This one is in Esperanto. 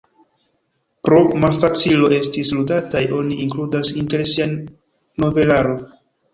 Pro malfacilo esti ludataj oni inkludas inter sia novelaro.